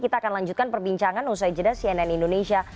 kita akan lanjutkan perbincangan usai jeda cnn indonesia